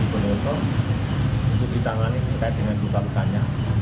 kita di bondowo tutupi tangannya terkait dengan kuka kukanya